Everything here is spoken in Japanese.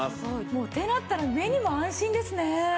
ってなったら目にも安心ですね。